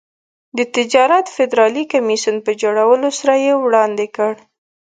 د تجارت فدرالي کمېسیون په جوړولو سره یې وړاندې کړ.